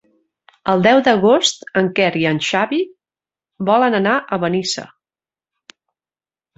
El deu d'agost en Quer i en Xavi volen anar a Benissa.